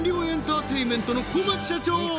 エンターテイメントの小巻社長